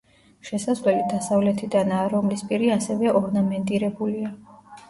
შესასვლელი დასავლეთიდანაა, რომლის პირი ასევე ორნამენტირებულია.